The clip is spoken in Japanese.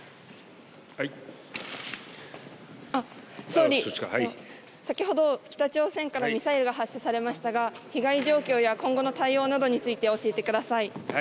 総理、先ほど北朝鮮からミサイルが発射されましたが、被害状況や今後の対応などについて教えてください。